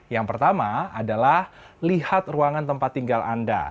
yang pertama adalah lihat ruangan tempat tinggal anda